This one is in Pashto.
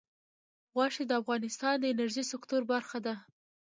غوښې د افغانستان د انرژۍ سکتور برخه ده.